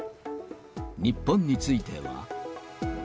日本については。